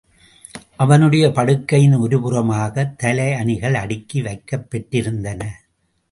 அவனுடைய படுக்கையின் ஒரு புறமாகத் தலையணிகள் அடுக்கி வைக்கப்பெற்றிருந்தன.